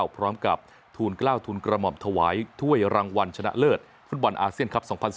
พร้อมกับทูลกล้าวทูลกระหม่อมถวายถ้วยรางวัลชนะเลิศฟุตบอลอาเซียนครับ๒๐๑๙